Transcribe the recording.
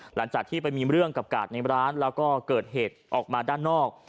หลังจากที่ไปมีเรื่องกับกาดในร้านแล้วก็เกิดเหตุออกมาด้านนอก